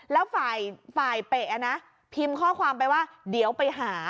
แล้วฝ่ายเปะนะพิมพ์ข้อความไปว่าเดี๋ยวไปหา